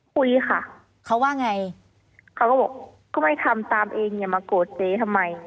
คุยค่ะเขาว่าไงเขาก็บอกก็ไม่ทำตามเองอย่ามาโกรธเจ๊ทำไม